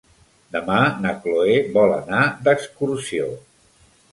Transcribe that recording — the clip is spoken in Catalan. Demà na Chloé vol anar d'excursió.